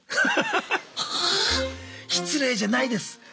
失礼じゃないです。